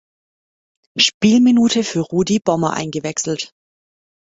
Spielminute für Rudi Bommer eingewechselt.